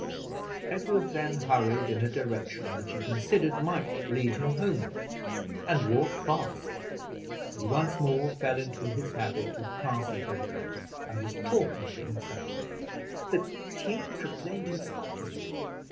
Edward then hurried in a direction which he considered might lead him homeward, and walked fast; but he once more fell into his habit of castle building, and was talking to himself: "The king proclaimed in Scotland!